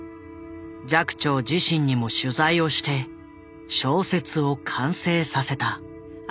寂聴自身にも取材をして小説を完成させた。